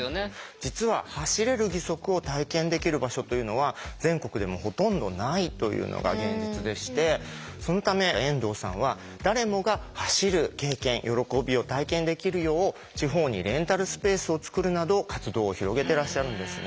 実は走れる義足を体験できる場所というのは全国でもほとんどないというのが現実でしてそのため遠藤さんは誰もが走る経験喜びを体験できるよう地方にレンタルスペースをつくるなど活動を広げてらっしゃるんですね。